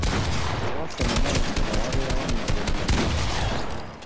Ewaffe mu mwezi guno wabeera wannyogovu nnyo.